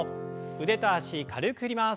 腕と脚軽く振ります。